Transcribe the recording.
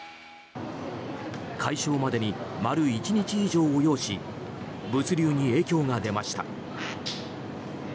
解消までに丸１日以上を要し物流に影響が出ました。